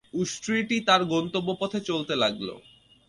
উষ্ট্রীটি তার গন্তব্য পথে চলতে লাগল।